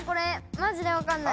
マジでわかんない。